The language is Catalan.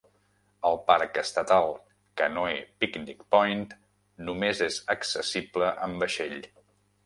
El parc estatal Canoe-Picnic Point només és accessible amb vaixell.